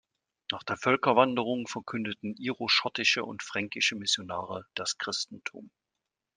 Nach der Völkerwanderung verkündeten iroschottische und fränkische Missionare das Christentum.